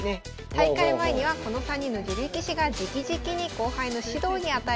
大会前にはこの３人の女流棋士がじきじきに後輩の指導に当たります。